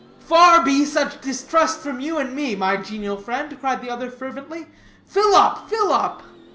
"Far be such distrust from you and me, my genial friend," cried the other fervently; "fill up, fill up!"